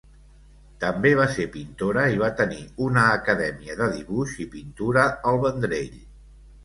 També va ser pintora i va tenir una acadèmia de dibuix i pintura al Vendrell.